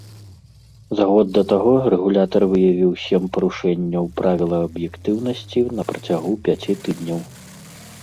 За год да таго рэгулятар выявіў сем парушэнняў правіла аб'ектыўнасці на працягу пяці тыдняў.